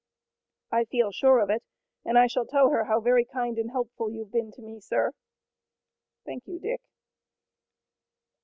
"I feel sure of it, and I shall tell her how very kind and helpful you've been to me, sir." "Thank you, Dick."